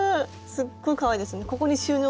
すっごいかわいいですね。